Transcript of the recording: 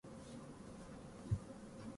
忘年会でも忘れちゃいけないものがある